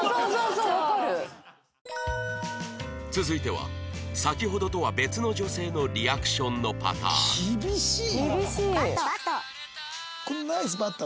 続いては先ほどとは別の女性のリアクションのパターン